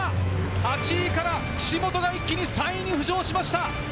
８位から、岸本が一気に３位に浮上しました。